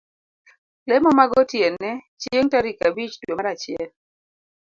lemo magotiene chieng' tarik abich dwe mar achiel.